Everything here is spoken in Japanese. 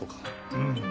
うん。